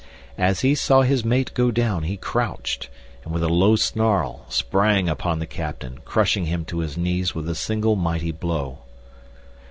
As he saw his mate go down he crouched, and, with a low snarl, sprang upon the captain crushing him to his knees with a single mighty blow.